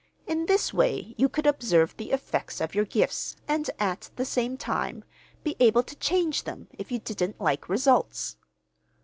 In this way you could observe the effects of your gifts, and at the same time be able to change them if you didn't like results.